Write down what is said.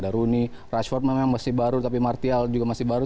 daruni rashford memang masih baru tapi martial juga masih baru